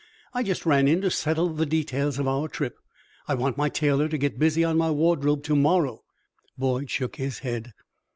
"I just ran in to settle the details of our trip. I want my tailor to get busy on my wardrobe to morrow." Boyd shook his head.